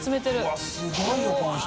うわっすごいよこの人。